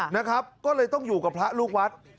นะครับก็เลยต้องอยู่กับพระลูกวัด